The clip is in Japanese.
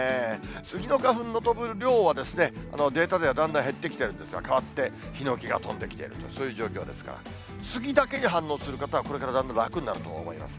スギの花粉の飛ぶ量は、データではだんだん減ってきているんですが、かわって、ヒノキが飛んできているという、そういう状況ですから、スギだけに反応する方は、これからだんだん楽になると思います。